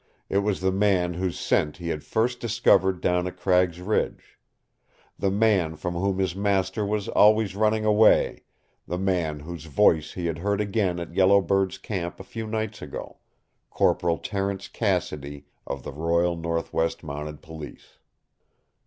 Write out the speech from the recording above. It was the man whose scent he had first discovered down at Cragg's Ridge, the man from whom his master was always running away, the man whose voice he had heard again at Yellow Bird's Camp a few nights ago Corporal Terence Cassidy, of the Royal Northwest Mounted Police.